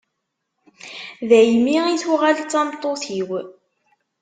daymi i tuɣal d tameṭṭut-iw.